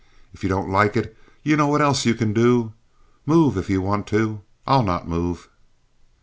If you don't like it you know what else you can do. Move if you want to. I'll not move."